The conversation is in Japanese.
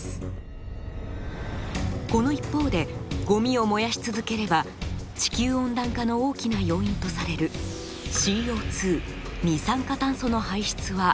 この一方でごみを燃やし続ければ地球温暖化の大きな要因とされるＣＯ二酸化炭素の排出は増えるばかり。